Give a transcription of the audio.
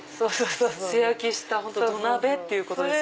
素焼きした土鍋ってことですよね。